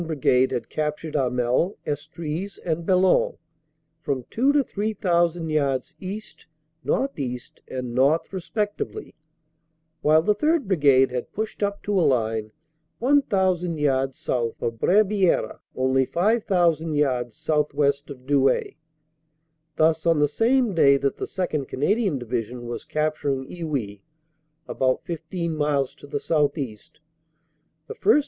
Brigade had captured Hamel, Estrees and Bellonne, from two to three thousand yards east, northeast and north respectively, while the 3rd. Brigade had pushed up to a OPERATIONS: OCT. 6 16 329 line 1,000 yards south of Brebieres, only 5,000 yards south west of Douai. Thus, on the same day that the 2nd. Canadian Division was capturing Iwuy about IS miles to the south east the 1st.